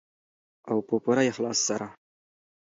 او په پوره اخلاص سره.